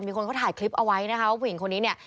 มีคนเขาถ่ายคลิปเอาไว้นะคะว่าผู้หญิงคนนี้เนี่ย